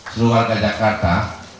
seluar dari jakarta